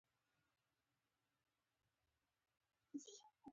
سترګې د احساس انځور کښي